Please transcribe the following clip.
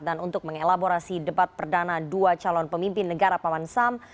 dan untuk mengelaborasi debat perdana dua calon pemimpin negara paman sam